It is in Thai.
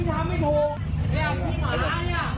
เธอดิเนี่ย